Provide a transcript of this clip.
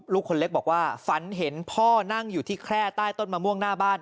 ลูกคนเล็กบอกว่าฝันเห็นพ่อนั่งอยู่ที่แคร่ใต้ต้นมะม่วงหน้าบ้าน